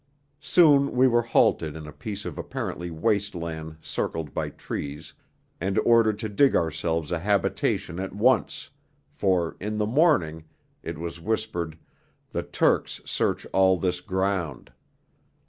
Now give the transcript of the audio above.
Soon we were halted in a piece of apparently waste land circled by trees, and ordered to dig ourselves a habitation at once, for 'in the morning' it was whispered 'the Turks search all this ground.'